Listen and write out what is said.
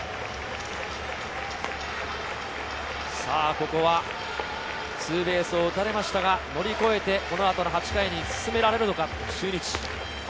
ここはツーベースを打たれましたが乗り越えて、この後の８回に進められるのか、中日。